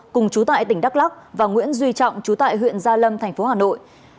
cùng chú tại tỉnh đắk lắc và nguyễn duy trọng trú tại huyện gia lâm thành phố hà nội